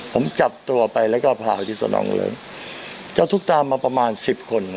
ผมจับตัวไปแล้วก็พาไปที่สนองเหลืองเจ้าตุ๊กตามาประมาณสิบคน